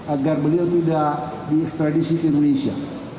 agar beliau tidak di ekstradisi ke indonesia